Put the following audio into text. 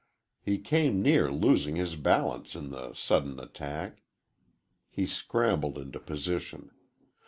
He came near losing his balance in the sudden attack. He scrambled into position.